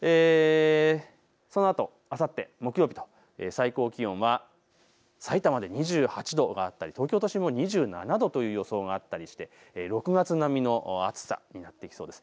そのあとあさって木曜日と最高気温はさいたまで２８度があったり東京都心も２７度という予想があったりして６月並みの暑さになってきそうです。